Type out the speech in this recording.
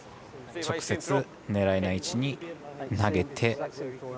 直接狙えない位置に投げて。